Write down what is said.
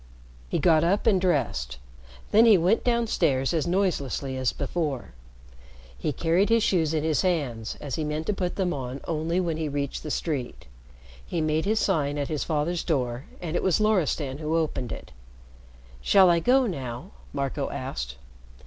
He got up and dressed. Then he went down stairs as noiselessly as before. He carried his shoes in his hands, as he meant to put them on only when he reached the street. He made his sign at his father's door, and it was Loristan who opened it. "Shall I go now?" Marco asked.